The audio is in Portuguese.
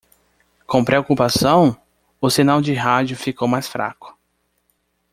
Com preocupação?, o sinal de rádio ficou mais fraco.